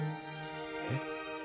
えっ。